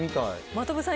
真飛さん